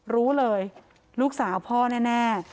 รู้เลยลูกสาวพ่อแน่